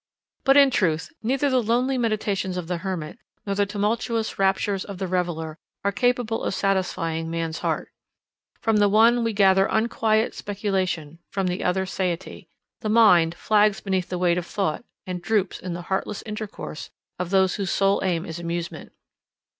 But in truth, neither the lonely meditations of the hermit, nor the tumultuous raptures of the reveller, are capable of satisfying man's heart. From the one we gather unquiet speculation, from the other satiety. The mind flags beneath the weight of thought, and droops in the heartless intercourse of those whose sole aim is amusement.